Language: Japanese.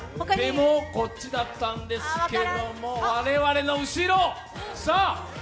でも、こっちだったんですけど、我々の後ろ。